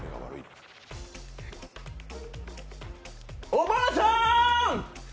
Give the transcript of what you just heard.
おばあさーん。